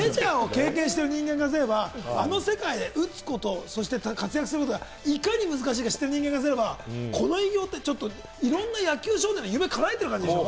だってメジャーを経験してる人間があの世界で打つこと、そして活躍することがいかに難しいか、知ってる人間からすれば、この偉業っていろんな野球少年の夢を叶えてるわけでしょ？